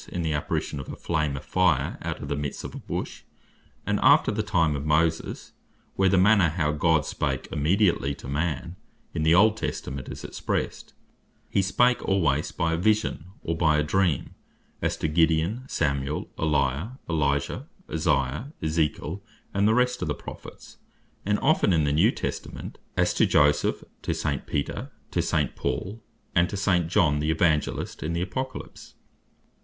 2.) in the apparition of a flame of fire out of the midst of a bush: And after the time of Moses, (where the manner how God spake immediately to man in the Old Testament, is expressed) hee spake alwaies by a Vision, or by a Dream; as to Gideon, Samuel, Eliah, Elisha, Isaiah, Ezekiel, and the rest of the Prophets; and often in the New Testament, as to Joseph, to St. Peter, to St. Paul, and to St. John the Evangelist in the Apocalypse.